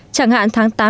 chẳng hạn tháng tám năm